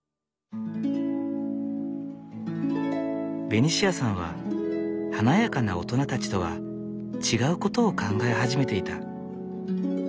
ベニシアさんは華やかな大人たちとは違うことを考え始めていた。